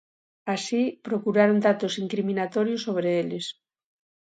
Así, procuraron datos incriminatorios sobre eles.